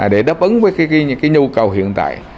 để đáp ứng với những nhu cầu hiện tại